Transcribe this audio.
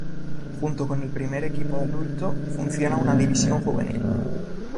Junto con el primer equipo adulto, funciona una división juvenil.